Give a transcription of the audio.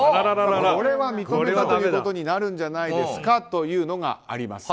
これは認めたということになるんじゃないですかというのがあります。